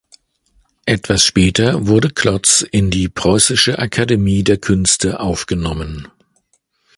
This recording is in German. Etwas später wurde Klotz in die Preußische Akademie der Künste aufgenommen.